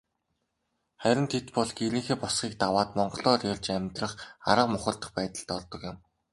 Харин тэд бол гэрийнхээ босгыг даваад монголоор ярьж амьдрах арга мухардах байдалд ордог юм.